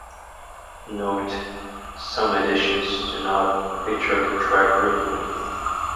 Note: Some editions do not feature the track "Written".